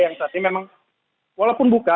yang saat ini memang walaupun buka